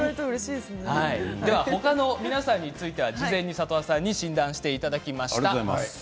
他の皆さんについては事前に里和さんに診断していただきました。